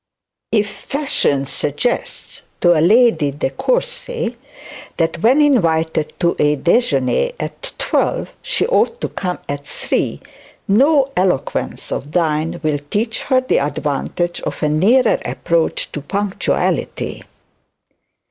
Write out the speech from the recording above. If fashion suggests to a Lady De Courcy that when invited to a dejeuner at twelve o'clock she ought to come at three, no eloquence of thine will teach her the advantage of a nearer approach to punctuality.